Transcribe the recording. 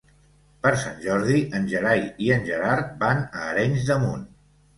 Per Sant Jordi en Gerai i en Gerard van a Arenys de Munt.